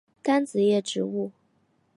单子叶植物。